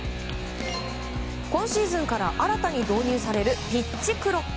今シーズンから新たに導入されるピッチクロック。